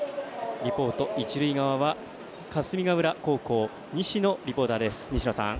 リポート、一塁側が霞ヶ浦高校西野リポーターです。